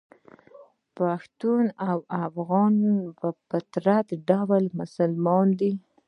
پښتون او افغان په فطري ډول مسلمان دي.